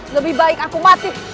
lebih baik aku mati